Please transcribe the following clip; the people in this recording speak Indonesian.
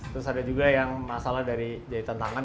terus ada juga yang masalah dari jahitan tangan